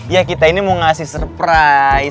ya kita ini mau ngasih surprise